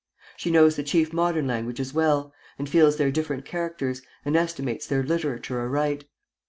She knows the chief modern languages well, and feels their different characters, and estimates their literature aright.